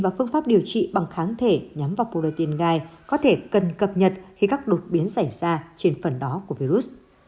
và phương pháp điều trị bằng kháng thể nhắm vào protein gai có thể cần cập nhật khi các đột biến xảy ra trên phần đó của virus